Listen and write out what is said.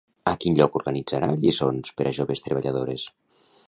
A quin lloc organitzà lliçons per a joves treballadores?